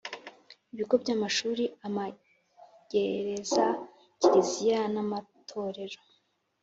Ibigo by’amashuri amagereza Kiliziya n’amatorero